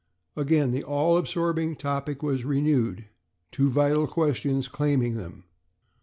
Again the all absorbing topic was renewed, two vital questions claiming them.